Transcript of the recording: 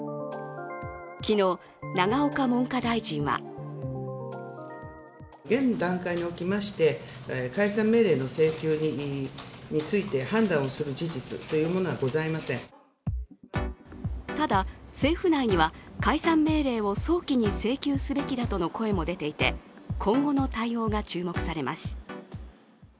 昨日、永岡文科大臣はただ、政府内には解散命令を早期に請求すべきだとの声も出ていて今後の対応が注目されます。